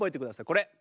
これ。